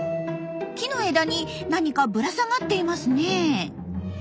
木の枝に何かぶら下がっていますねえ。